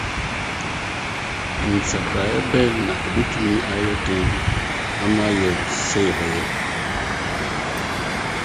nsakrae bɛn na ebetumi ayɛ den ama yɛn sɛ yɛbɛyɛ?